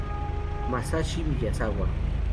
Masashi Miyazawa